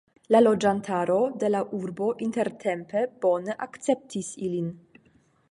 La loĝantaro de la urbo intertempe bone akceptis ilin.